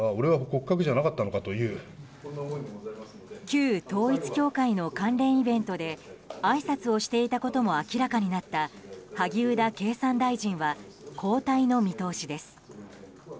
旧統一教会の関連イベントであいさつをしていたことも明らかになった萩生田経済産業大臣は交代の見通しです。